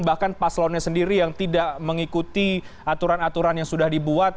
bahkan paslonnya sendiri yang tidak mengikuti aturan aturan yang sudah dibuat